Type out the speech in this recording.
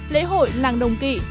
lễ hội làng đồng kỵ